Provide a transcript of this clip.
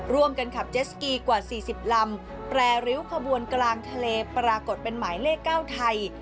ขับเจสกีกว่า๔๐ลำแปรริ้วขบวนกลางทะเลปรากฏเป็นหมายเลข๙ไทย